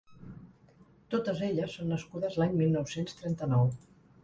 Totes elles són nascudes l’any mil nou-cents trenta-nou.